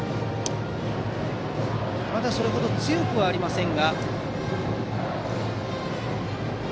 まだそれ程強くはありません。